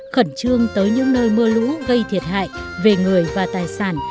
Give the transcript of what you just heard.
khẩn trương tới những nơi mưa lũ gây thiệt hại về người và tài sản